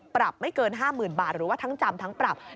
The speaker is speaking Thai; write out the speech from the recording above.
ปรับไม่เกิน๕๐๐๐บาทหรือว่าทั้งจำทั้งปรับ